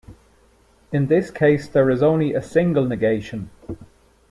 In this case there is only a single negation.